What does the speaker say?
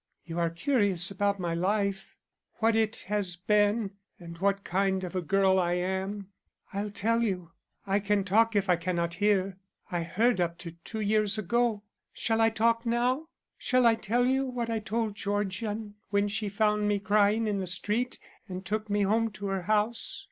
You are curious about my life, what it has been and what kind of a girl I am. I'll tell you. I can talk if I cannot hear. I heard up to two years ago. Shall I talk now? Shall I tell you what I told Georgian when she found me crying in the street and took me home to her house?"